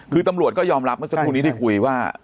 คือตำรวจก็ยอมรับเมื่อสักครู่นี้ที่คุยว่า